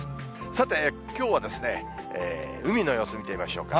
さて、きょうは海の様子、見てみましょうか。